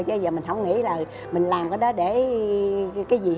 chứ bây giờ mình không nghĩ là mình làm cái đó để cái gì